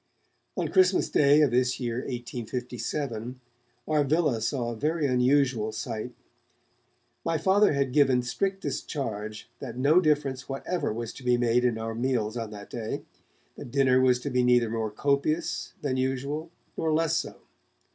On Christmas Day of this year 1857 our villa saw a very unusual sight. My Father had given strictest charge that no difference whatever was to be made in our meals on that day; the dinner was to be neither more copious than usual nor less so.